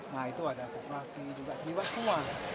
nah itu ada kooperasi juga terlibat semua